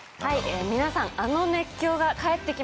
皆さんあの熱狂が帰ってきます。